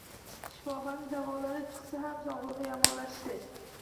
Shifoxonada davolanib chiqsa ham sog`ligi yomonlashdi